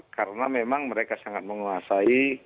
karena memang mereka sangat menguasai